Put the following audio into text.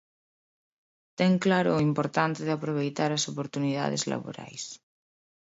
Ten claro o importante de aproveitar as oportunidades laborais.